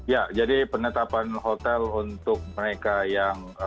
ya jadi penetapan hotel untuk mereka yang